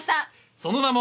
その名も。